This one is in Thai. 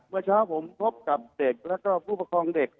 เมื่อเช้าผมพบกับเด็กแล้วก็ผู้ปกครองเด็ก